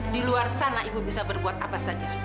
di luar sana ibu bisa berbuat apa saja